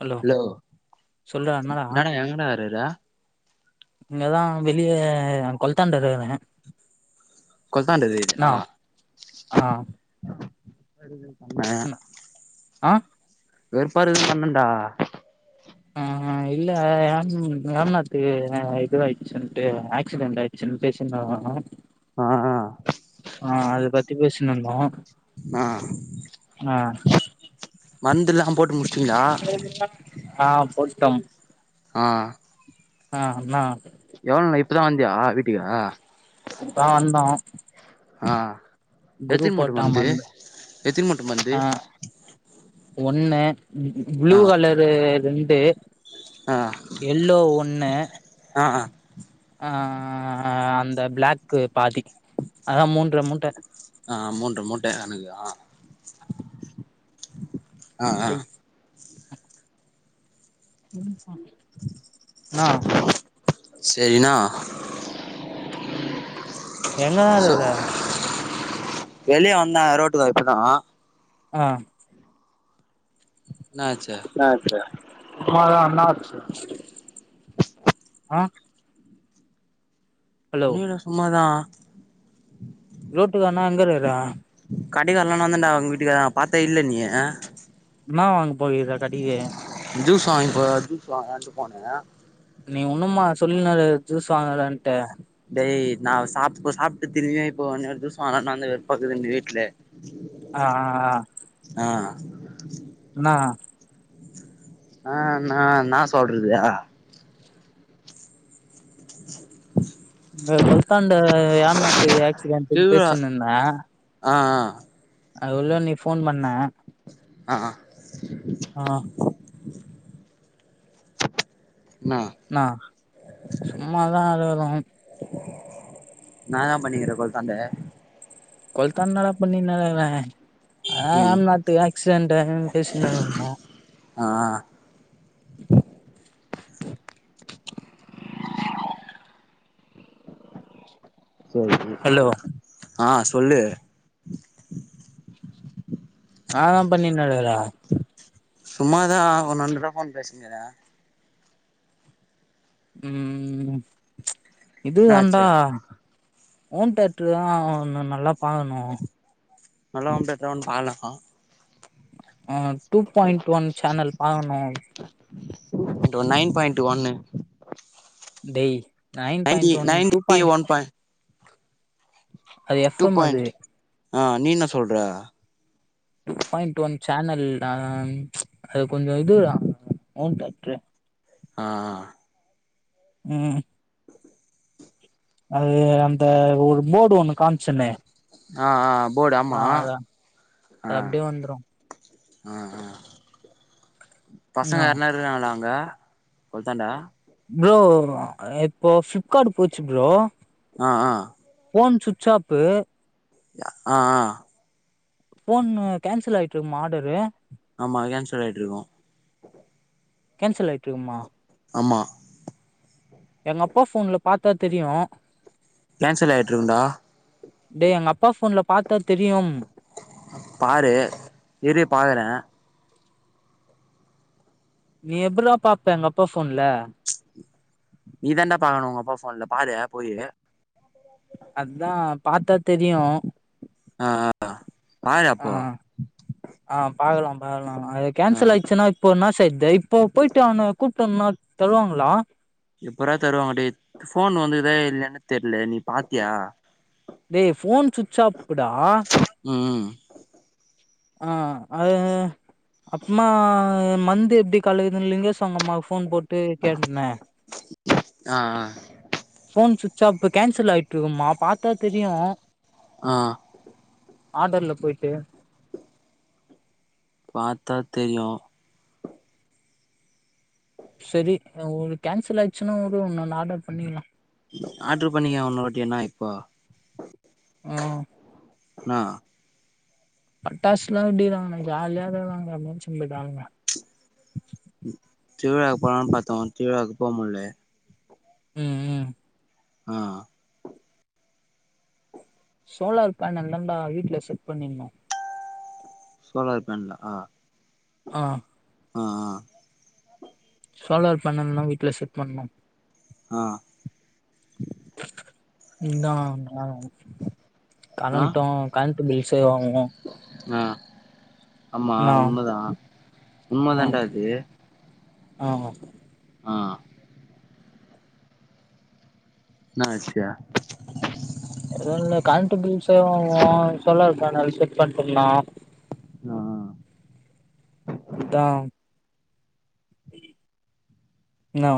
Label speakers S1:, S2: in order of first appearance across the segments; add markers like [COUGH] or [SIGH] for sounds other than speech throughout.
S1: hello சொல்ற என்னடா
S2: எங்கடா இருகுற
S1: இங்கதா வெளியே கொலத்தாண்ட இருக்கே
S2: கொலத்தாண்டா இருக்கியா
S1: ஆ
S2: [UNINTELLIGIBLE] பண்ணே
S1: ஆ
S2: வெறுப்பாரு பண்ணன்டா
S1: ஆ
S2: [INAUDIBLE]
S1: இல்ல ஏ ராம்னாத்து இது ஆயிடுச்சுன்னட்டு ஆக்சிடென்ட் ஆயிடுச்சுன்ன பேசன்னாடு இருக்கோ
S2: ஆஹ்
S1: ஆஹ் அத பத்தி பேசினந்தோ
S2: ஆஹ் மருந்துல்லா போட்டு முடிச்சட்டீங்களா
S1: [UNINTELLIGIBLE] ஆஹ் போட்டோ
S2: ஆ
S1: ஆஹ் என்னா
S2: எவ்ளோ இல்ல இப்பதா வந்தியா வீட்டுக்கு
S1: இப்ப தா வந்தோ
S2: ஆ
S1: குரு
S2: எத்தினி மூட்ட
S1: போட்டாம
S2: மருந்து
S1: வந்து
S2: எத்தினி மூட்ட மருந்து
S1: ஆஹ் ஒண்ணு ப்ளூ
S2: ஆ
S1: கலரு ரெண்டு எல்லோ ஒண்ணு
S2: ஆஹ்
S1: ஆஹ் அந்த பிளாக்கு பாதி அதான் மூன்ற மூன்ற
S2: ஆஹ் மூன்றா மூட்டன கணக்கு
S1: [INAUDIBLE]
S2: ஆஹ் ஆஹ்
S1: டேய் நா
S2: சேரி நா
S1: இப்ப என்ன தானால இல்ல
S2: வெளியே வந்தா ரோட்டுக்கு இப்பதா
S1: ஆஹ்
S2: என்னாச்சு
S1: [UNINTELLIGIBLE] ஆ ஹலோ
S2: ஓண்ணில சும்மாதா
S1: ரோட்டு கானா எங்காஇருகிறா
S2: கடகள்லா நா வந்தடா அவங்க வீட்டுக்கு பாத்த இல்லை நீ
S1: என்ன வாங்க போயிருதா கடைக்கு
S2: ஜூஸ் வாங்க இப்ப ஜூஸ் வாங்கண்டு போனே
S1: நீ ஒண்ணுமா சொல்லின ஜூசுவாங்கனான்ட்டு
S2: டய் நா சாப்ப சாப்ட்டு திரும்பியவே இப்ப இன்னொரு தச ஆன வ வெப்பாகுக்குது இந்த வீட்ல [INAUDIBLE]
S1: ஆ ஆ ஆ
S2: ஆ
S1: என்னா
S2: ஆ நா நா சொல்றதுயா [INAUDIBLE]
S1: கொலத்தாண்டு யம்நாத்க்கு ஆக்சிடெண்ட
S2: திருவிழா
S1: பேசந்தண்டா
S2: ஆ ஆ
S1: அது உள்ளு நீ போன் பண்ண
S2: ஆ ஆ
S1: ஆ
S2: என்னா
S1: நா சும்மாதா அழுகணு
S2: நான்தா பண்ணிக்கிறே குலத்தாந்த
S1: கொலத்தான் நல்லா பண்ணி நக்கறே அதா ஏ
S2: ம்
S1: நாத்துக்கு ஆக்சிடென்ட்டு பேசிக்கினுருந்தே
S2: ஆ சரி சரி
S1: ஹலோ
S2: ஆ சொல்லு
S1: ஆ தா பன்னிண்டுருக்குறே
S2: சும்மாதா ஒரு நண்டு ரூபா போன் பேசுங்கிறே
S1: ம் ம் ம் இது வேண்டா
S2: என்னாச்சு
S1: ஓம் தேற்று தா ந நல்லா பாக்கனு
S2: நல்லவன் பெட்டவன் பாலக
S1: ஆ டூ பாயிண்ட் ஒன் சேனல் பாகணு
S2: டு நைன் பாயிண்ட் ஒன்னு
S1: டேய் nine
S2: ninety
S1: point one two
S2: ninety
S1: point
S2: one point
S1: அது எஃப்
S2: டூ
S1: எம் அது
S2: பாயிண்ட் ஆ நீ என்ன சொல்ற
S1: டூ பாயிண்ட் ஒன் சானல் ஆம் அது கொஞ்ச இது ஹோம் தேட்ரு
S2: ஆ ஆ
S1: ம் அது அந்த ஒரு போர்டு ஒண்ணு காமிச்சன்னே
S2: ஆ ஆ போடு ஆமா ஆ
S1: அது அப்டியே வந்துரு
S2: ஆ ஆ
S1: ம்
S2: பசங்க
S1: ஆ
S2: ஆர்னா இருக்குறாங்களா அங்க கொலத்தாண்டா
S1: ஃப்ரோ இப்போ பிளிப்கார்ட் போச்சு ஃப்ரோ
S2: ஆ ஆ
S1: ஃபோன் சுச்சாப்பு
S2: ஆ ஆ
S1: போன் கோன்சல் ஆயிட்ருக்குமா ஆர்டரு
S2: ஆமா கேன்சல் ஆயிட்ருக்கு
S1: கேன்சல் ஆகிட்டுருக்குமா
S2: ஆமா
S1: எங்கப்பா போன்ல பாத்தா தெரியு
S2: கேன்சல் ஆய்ட்ருக்குண்டா
S1: டேய் எங்க அப்பா ஃபோன்ல பாத்தா தெரியும்
S2: பாரு இரு பாக்குறே
S1: நீ எபபுறா பாப்ப எங்க அப்பா ஃபோன்ல
S2: நீதாண்டா பாக்கணு உங்கப்பா ஃபோன்ல பாரு போயி
S1: அதா பாத்தா தெரியு
S2: ஆ ஆ ஆ
S1: ஆ ஆ பாக்கலா பாகலா அது
S2: ஆ
S1: கேன்சல் ஆய்ர்ச்சுனா இப்போ என்னா செய்து இப்போ போய்ட்டு அவன கூப்ட்டம்னா தருவாங்குளா
S2: எப்புறா தருவாங்க டேய் ஃபோன் வந்து இதா இல்லையானே தெர்ல நீ பாத்தியா
S1: டேய் ஃபோன் சுச்சாப்புடா
S2: ம்
S1: ஆ அதேது அப்புமா மந்து எப்டி கலைதுன் லிங்கேஸ் அவ்ங்க அம்மாக் ஃபோன் போட்டு கேட்ன
S2: ஆ ஆ
S1: ஃபோன் சுவிச்சாப்பு கேன்சல் ஆய்ட்ருக்குமா பாத்தா தெரியு
S2: ஆ
S1: ஆர்டர்ல போய்ட்டு
S2: பாத்தா தெரியு
S1: செரி உடு கேன்சல் ஆய்ச்சுனா உடு உன்னோன்னு ஆர்டர் பண்ணிக்குலா
S2: ஆர்ட்ரு பண்ணிக்க உன்னுருவாட்டி வேணா இப்போ
S1: ம்
S2: ஆ
S1: பட்டாசுலா வெடிக்குறாங்க ஜாலியாதா வருவாங்க அப்டின் சொல்லுறாங்க
S2: திருவிழாக்கு போலான் பாத்தோ திருவிழாக்கு போமுல்ல
S1: ம் ம்
S2: ஆ
S1: சோலார் பேனல் தாண்டா வீட்ல செட் பண்ணிக்கினு
S2: சோலார் பேன்லா ஆ
S1: ஆ
S2: ஆ ஆ
S1: சோலார் பேனல்தா வீட்ல செட் பண்ணு
S2: ஆ
S1: இந்தா வாரோ
S2: ஆ
S1: கரண்ட்டு கரண்ட் பில் சேவாகுமோ
S2: ஆ ஆமா
S1: நா
S2: உண்மதா உண்மதாண்டா அது
S1: ஆமா
S2: ஆ என்ன ஆச்சு
S1: இல்ல இல்ல கரண்ட்டு பில் சேவாகு சோலார் பேனல் செட் பண்ட்டீங்னா
S2: ஆ
S1: பண்ட்டா இன்னு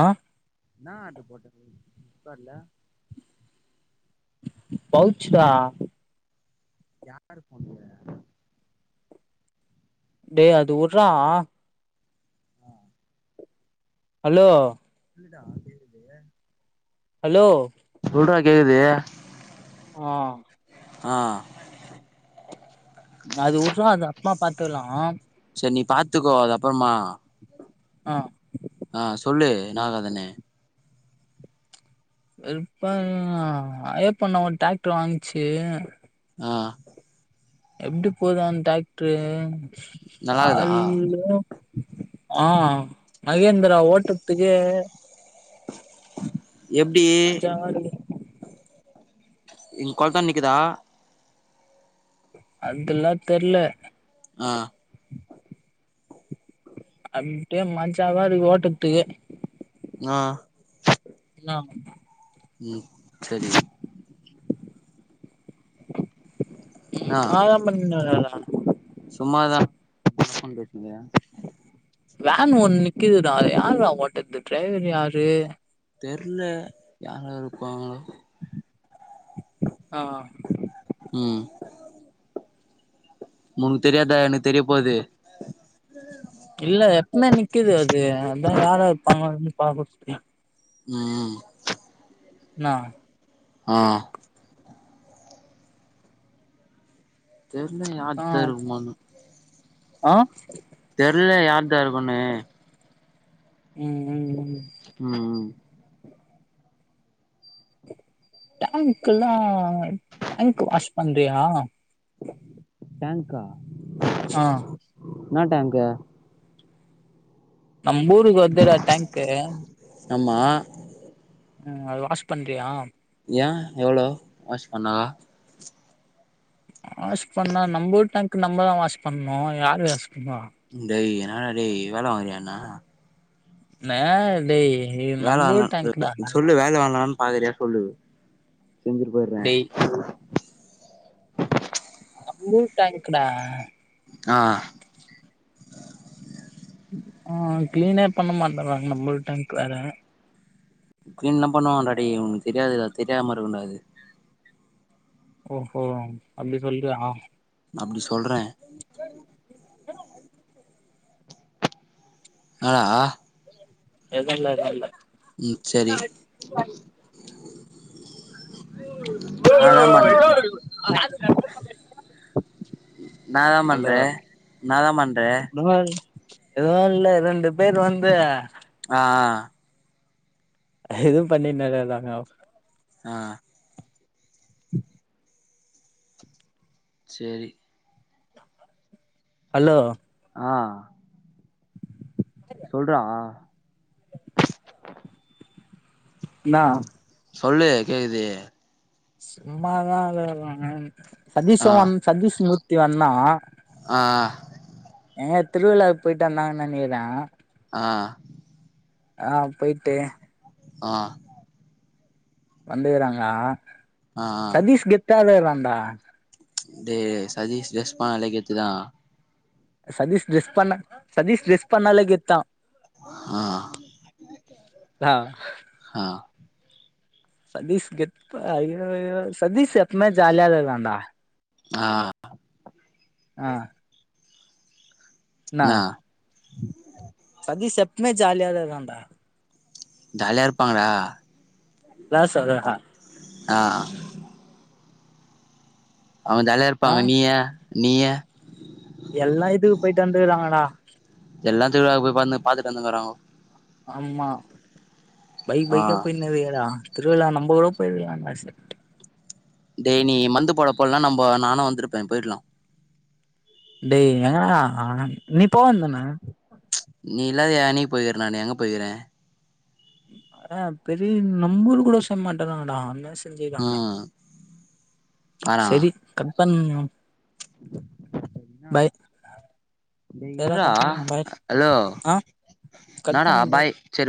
S1: ஆ
S2: என்ன ஆட்ரு போட்ட நீ ஃபிளிப்காட்ல
S1: பௌச்சுக்கா
S2: யாரு பொண்ணு இது
S1: டே அது உட்றா ஹலோ
S2: சொல்லுடா கேக்குது
S1: ஹலோ
S2: சொல்றா கேக்குது
S1: ஆ
S2: ஆ
S1: அது உட்றா அது அப்பமா பத்துக்கலா
S2: செரி நீ பாத்துக்கோ அது அப்புறமா
S1: ஆ
S2: ஆ சொல்லு இன்னா வேலனு
S1: வெறுப்பா உ அ அய்ப்பண்ண ஒரு டிராக்ட்ரு வாங்கிச்சு
S2: ஆ
S1: எப்டி போதா அந்த ட்ராக்ட்ரு
S2: நல்லாக்குதா
S1: கால்லியோ ஆ மகேந்திரா ஓட்றத்துக்கே
S2: எப்டி
S1: [UNINTELLIGIBLE]
S2: இங்க கொள்தான்ட நிக்குதா
S1: அதெல்லா தெர்ல
S2: ஆ
S1: அப்டியே மஜாவா இர்க்கு ஓட்றத்துக்கே
S2: ஆ
S1: இன்னாங்க
S2: ம் செரி
S1: ம்
S2: என்னா
S1: இன்னாதா பண்ணீன்ட்றுக்க அங்க
S2: சும்மாதா உன்ட்ட ஃபோன் பேசினுக்கிற
S1: வேன் ஒண்ணு நிக்குதுடா யார்ரா ஓட்றது டிரைவர் யாரு
S2: தெர்ல யாரா இருப்பாங்கோ
S1: ஆ ஆ
S2: ம் உனக்கு தெரியாதா எனக்கு தெரிய போது
S1: இல்ல எப்பமே நிக்குது அது அதா யாரா இருப்பாங்கனு பாக்கறதுக்
S2: ம் ம்
S1: இன்னா
S2: ஆ தெர்ல யார்தா இருக்குமானு
S1: அ
S2: தெர்ல யார்தா இருக்கோன்னு
S1: உம் உம் உம்
S2: ம் ம்
S1: டேங்குல்லா டேங்கு வாஷ் பண்றீயா
S2: டேங்கா
S1: ஆ
S2: என்ன டேங்க்கு
S1: நம் ஊருக்கு வர்துடா டாங்க்கு
S2: ஆம்மா
S1: ம் அது வாஷ் பண்றயா
S2: ஏன் எவ்ளோ வாஷ் பண்ணா
S1: வாஷ் பண்ணா நம்ப ஊர் டேங்க்கு நம்மதா வாஷ் பண்ணு யாரு வாஷ் பன்னுவா
S2: டேய் என்னடா டேய் வேல வாங்குறியா என்ன
S1: ன்னா டேய் இது
S2: வேணா வேணா
S1: நம்பூர் டேங்க்டா
S2: சொல்லு வேல வாங்லானு பாக்றியா சொல்லு செஞ்சுட்டு போயர்ரே
S1: டேய் நம்ம ஊர் டேங்க்கடா
S2: ஆ
S1: ஆ கிளீனே பண்ண மாட்டறாங்க நம்ம ஊர் டேங்க் வேற
S2: கிளீன்லா பண்ணுவான்டா டேய் உங்ளுக்கு தெரியதுல்ல தெரியாம இருக்குன்டா அது
S1: ஓஹோ அப்டி சொல்ரியா
S2: அப்டி சொல்றே
S1: [INAUDIBLE]
S2: ஆ ஆ
S1: எதல்ல [UNINTELLIGIBLE]
S2: ம் சேரி நாதா பண்ண நாதா பண்றே நாதா பண்றே
S1: முதலாளி எதுவு இல்ல ரெண்டு பேர் வந்து
S2: ஆ
S1: எதுவு பண்ணினெல்லா இல்லங்க
S2: ஆ சேரி
S1: ஹலோ
S2: ஆ சொல்டா
S1: இன்னா
S2: சொல்லு கேக்குது
S1: சும்மாதா [UNINTELLIGIBLE] சதீஷ்
S2: ஆ
S1: வ சதீஷ் மூர்த்தி வந்தா
S2: ஆ
S1: எங்யோ திருவிழாக்கு போய்ட்டு வந்தாங்னு நெனிக்கற
S2: ஆ
S1: ஆ போய்ட்டு
S2: ஆ
S1: வந்துருக்ராங்ளா
S2: ஆ
S1: சதீஷ் கெத்தாளா இருக்கறான்டா
S2: டேய் சதீஷ் டிரஸ் பன்னாலே கெத்துதா
S1: சதீஷ் டிரஸ் பன்னா சதீஷ் டிரஸ் பன்னாலே கெத்தா
S2: ஆ
S1: ஆ
S2: ஆ
S1: சதீஷ் கெத்து பா ஐய்யய்யோ சதீஷ் எப்பவுமே ஜாலியா [UNINTELLIGIBLE] ண்டா
S2: ஆ
S1: ஆ என்னா சதீஷ் எப்பவுமே ஜாலியா தா ர்க்கான் டா
S2: ஜாலியா ர்ப்பாங்க டா
S1: என்னா சொல்ற டா
S2: ஆ அவங்க
S1: ஆ
S2: ஜாலியார்ருப்பாங்க நீயெ நீயெ
S1: எல்லா இதுக்கு போயிட்டு வந்துருக்காங்கடா
S2: எல்லா திருவிழாக்கு போய் உக்காந்து பாத்துட்டு வந்துருங்காங்கோ
S1: ஆம்மா பைக்
S2: ஆ
S1: பைக்கா போயின்னு ருக்குறா திருவிழா நம்பளு போயிருக்கலா டா சே
S2: டேய் நீ மந்து போட போலனா நம்பொ நானு வந்துருப்பே பொயிட்லா
S1: டேய் எங்கடா நீ போ வேண்டிதானே
S2: நீ இல்லாத என்னக்கி போயிருக்கிற நானு எங்க போயிக்கிறே
S1: அனா பெரிய நம்ப ஊர் கூட செய்ய மாட்டான்கறாங்கடா அந்த மா ஜெய்க்றாங்கண்ணெ
S2: ம்
S1: செரி கட் பண்
S2: என்னா டேய் இர்
S1: சரிடா
S2: ரா
S1: கட் பண்ணுடா பாய்
S2: ஹலோ
S1: ஆ கட்
S2: என்னாடா
S1: பண்ணு
S2: பாய் சரி